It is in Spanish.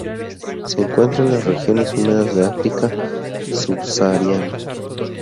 Se encuentra en las regiones húmedas del África subsahariana.